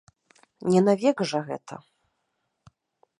Не навек жа гэта.